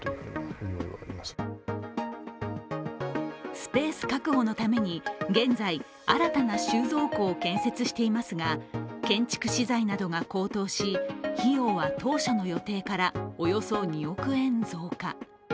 スペース確保のために現在、新たな収蔵庫を建設していますが建築資材などが高騰し、費用は当初の予定からおよそ２億円増加。